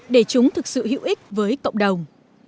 để chúng thực sự hữu ích với cộng đồng